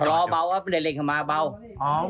ชะลอเบาเดินเร่งเข้ามาเบา